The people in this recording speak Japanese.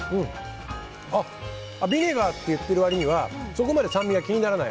ヴィネガーと言っているわりにはそこまで酸味が気にならない。